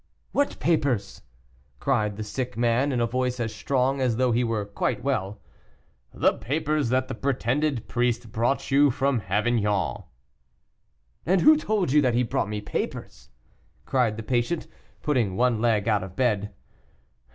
"What papers?" cried the sick man, in a voice as strong as though he were quite well. "The papers that the pretended priest brought you from Avignon." "And who told you that he brought me papers?" cried the patient, putting one leg out of bed.